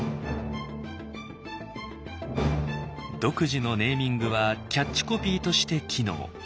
独自のネーミングはキャッチコピーとして機能。